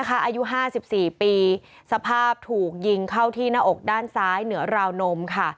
อายุ๕๔ปีสภาพถูกยิงเข้าที่หน้าอกด้านซ้ายเหนือราวนมค่ะ